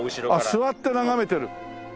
ああ座って眺めてる！